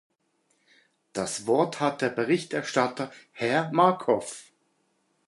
Das Wort hat der Berichterstatter, Herr Markov.